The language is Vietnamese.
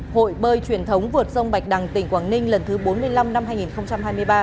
hội bơi truyền thống vượt sông bạch đằng tỉnh quảng ninh lần thứ bốn mươi năm năm hai nghìn hai mươi ba